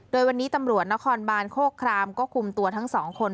โดยวันนี้ตำรวจนครบานโครครามก็คุมตัวทั้งสองคน